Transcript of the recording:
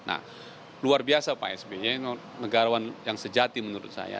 nah luar biasa pak sby negarawan yang sejati menurut saya